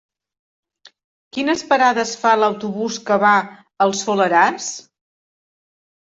Quines parades fa l'autobús que va al Soleràs?